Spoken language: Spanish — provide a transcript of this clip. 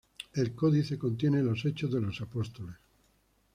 El codice contiene los Hechos de los Apóstoles.